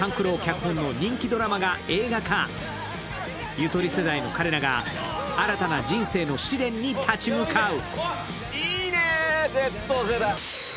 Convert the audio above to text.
ゆとり世代の彼らが新たな人生の試練に立ち向かう。